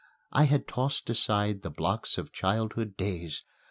I had tossed aside the blocks of childhood days.